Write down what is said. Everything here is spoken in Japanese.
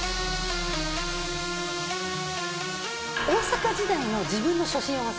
大阪時代の自分の。